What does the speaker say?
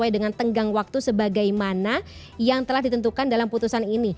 dengan tenggang waktu sebagaimana yang telah ditentukan dalam putusan ini